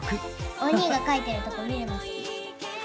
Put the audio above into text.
お兄が描いてるとこ見るの好き。